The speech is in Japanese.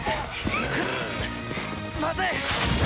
まずい！